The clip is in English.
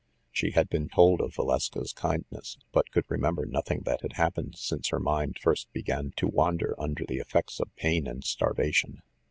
She had been told of Valeska's kindness; but could remember nothing that had happened since her mind first began 184 THE MASTER OF MYSTERIES to wander under the effects of pain and starvation.